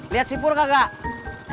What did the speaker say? lihat si purwonova